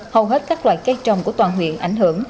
hầu hết các loại cây trồng của toàn huyện ảnh hưởng